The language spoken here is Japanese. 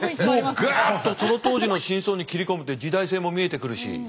もうグッとその当時の真相に切り込むと時代性も見えてくるし。